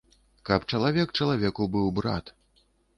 Каб чалавек чалавеку быў брат.